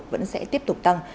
vẫn sẽ tiếp tục tăng